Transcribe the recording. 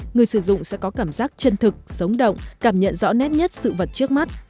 người sử dụng sẽ có cảm giác chân thực sống động cảm nhận rõ nét nhất sự vật trước mắt